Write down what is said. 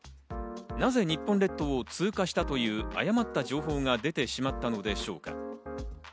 なぜ日本列島を通過したという誤った情報が出てしまったのでしょうか？